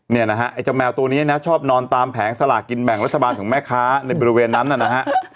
เนี่ยนะฮะไอ้เจ้าแมวตัวนี้นะชอบนอนตามแผงสลากินแบ่งรัฐบาลของแม่ค้าในบริเวณนั้นนะฮะ